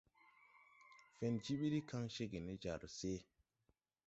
Fen jiɓiddi kaŋ cégè ne jar se.